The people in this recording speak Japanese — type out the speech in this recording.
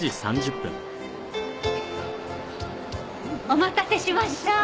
お待たせしました。